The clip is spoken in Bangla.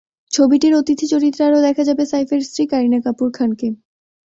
ছবিটির অতিথি চরিত্রে আরও দেখা যাবে সাইফের স্ত্রী কারিনা কাপুর খানকে।